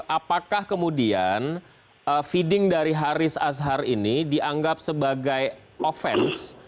apakah kemudian feeding dari haris azhar ini dianggap sebagai offense